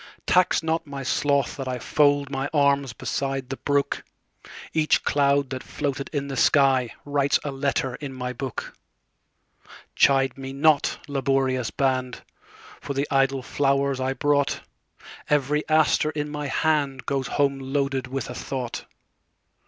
Tax not my sloth that IFold my arms beside the brook; Each cloud that floated in the skyWrites a letter in my book. Chide me not, laborious band, For the idle flowers I brought; Every aster in my handGoes home loaded with a thought.